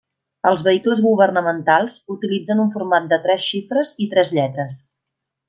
Els vehicles governamentals utilitzen un format de tres xifres i tres lletres.